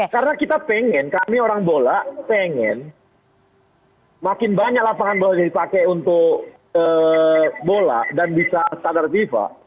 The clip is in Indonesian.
karena kita pengen kami orang bola pengen makin banyak lapangan bola yang dipakai untuk bola dan bisa standar fifa